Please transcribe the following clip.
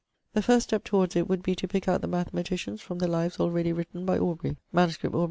3. The first step towards it would be to pick out the mathematicians from the lives already written by Aubrey. MS. Aubr.